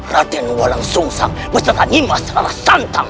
raten walang sungsang beserta nimas rara santang